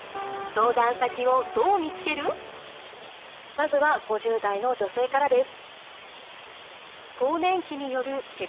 まずは５０代の女性からです。